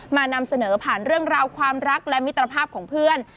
นำเสนอผ่านเรื่องราวความรักและมิตรภาพของเพื่อน